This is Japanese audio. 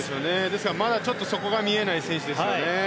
ですから、まだちょっと底が見えない選手ですよね。